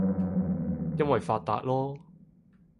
因爲發達囉